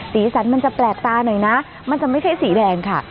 สีสันมันจะแปลกตาหน่อยนะมันจะไม่ใช่สีแดงค่ะ